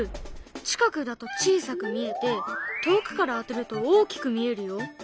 近くだと小さく見えて遠くから当てると大きく見えるよ。